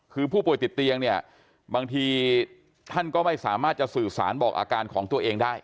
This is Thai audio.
คือผู้ป่วยติดเตียงเนี่ยบางทีท่านก็ไม่สามารถจะสื่อสารบอกอาการของตัวเองได้